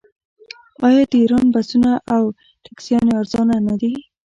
آیا د ایران بسونه او ټکسیانې ارزانه نه دي؟